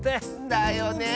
だよねえ。